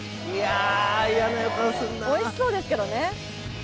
おいしそうですけどね